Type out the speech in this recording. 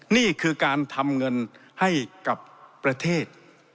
นี่คือการทำเงินให้กับประเทศ